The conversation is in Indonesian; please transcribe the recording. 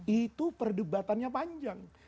itu perdebatannya panjang